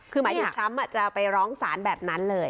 คือหมายถึงทรัมป์จะไปร้องศาลแบบนั้นเลย